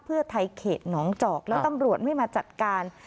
เพื่อไทยเขตหนองจอกแล้วตำรวจไม่มาจัดการ